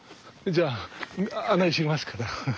じゃあ案内しますから。